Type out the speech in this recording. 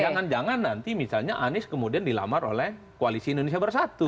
jangan jangan nanti misalnya anies kemudian dilamar oleh koalisi indonesia bersatu